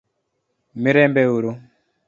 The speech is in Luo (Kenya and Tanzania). Mirembe uru?